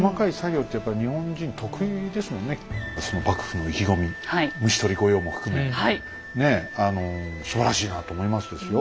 こういうまたその幕府の意気込み虫捕御用も含めすばらしいなと思いますですよ。